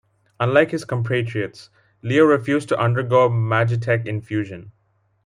Unlike his compatriots, Leo refused to undergo Magitek infusion.